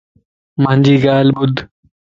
مانجي ڳالھ ٻڌ